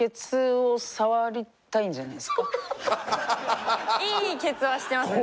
いいケツはしてますよね。